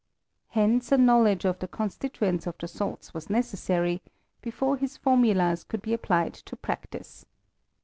Hence a knowledge of the con stituents of the salts was necessary, before his for mulas could be applied to practice.